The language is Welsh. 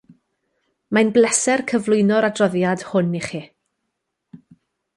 Mae'n bleser cyflwyno'r adroddiad hwn ichi